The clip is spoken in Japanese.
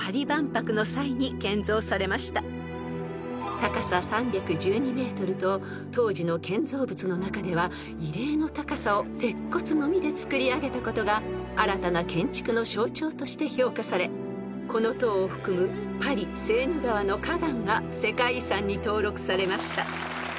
［高さ３１２ｍと当時の建造物の中では異例の高さを鉄骨のみで造り上げたことが新たな建築の象徴として評価されこの塔を含むパリセーヌ川の河岸が世界遺産に登録されました］